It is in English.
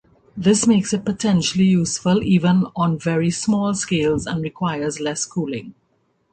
This makes it potentially useful even on very small scales and requires less cooling.